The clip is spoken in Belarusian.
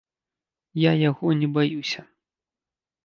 Я яго не баюся!